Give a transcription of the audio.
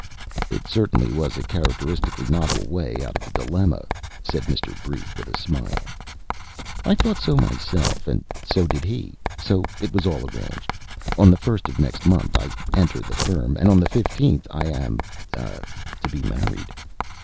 "It certainly was a characteristically novel way out of the dilemma," said Mr. Brief, with a smile. "I thought so myself, and so did he, so it was all arranged. On the 1st of next month I enter the firm, and on the 15th I am ah to be married."